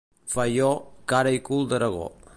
Faió, cara i cul d'Aragó.